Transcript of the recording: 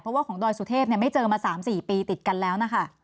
เพราะว่าของดอยสุเทพไม่เจอมา๓๔ปีติดกันแล้วนะคะ